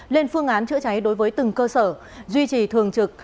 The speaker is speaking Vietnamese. lên phương án chữa cháy đối với từng cơ sở duy trì thường trực